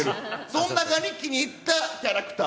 そん中に気に入ったキャラクター。